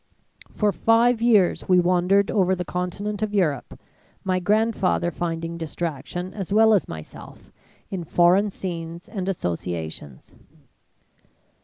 For five years we wandered over the continent of Europe, my grandfather finding distraction, as well as myself, in foreign scenes and associations.